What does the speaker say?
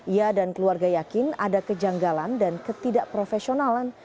ia dan keluarga yakin ada kejanggalan dan ketidakprofesionalan